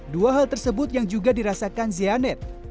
dua hal tersebut yang juga dirasakan zianet